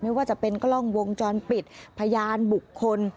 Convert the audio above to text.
ไม่ว่าจะเป็นกล้องวงจรปิดพยานบุคคล